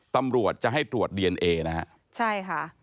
ตำรวจจะให้ตรวจดีเอนเอนะครับ